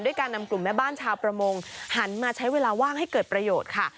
การนำกลุ่มแม่บ้านชาวประมงหันมาใช้เวลาว่างให้เกิดประโยชน์ค่ะ